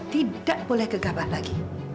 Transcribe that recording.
tidak boleh gegabah lagi